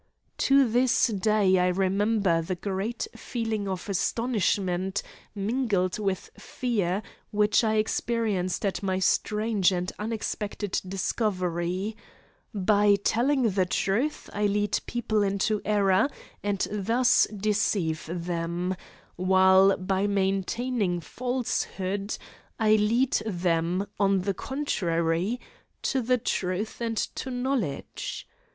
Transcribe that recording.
To this day I remember the great feeling of astonishment, mingled with fear, which I experienced at my strange and unexpected discovery; by telling the truth I lead people into error and thus deceive them, while by maintaining falsehood I lead them, on the contrary, to the truth and to knowledge.